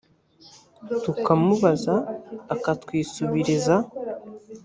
tukamubaza akatwisubiriza